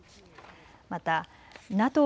またＮＡＴＯ